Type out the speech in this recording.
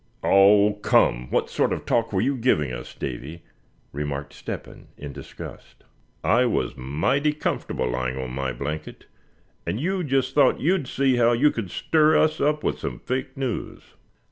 "Oh! come, what sort of talk were you giving us, Davy?" remarked Step hen, in disgust. "I was mighty comfortable lying on my blanket, and you just thought you'd see how you could stir us up with some fake news."